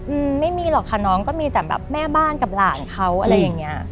อืมไม่มีหรอกค่ะน้องก็มีแต่แบบแม่บ้านกับหลานเขาอะไรอย่างเงี้ย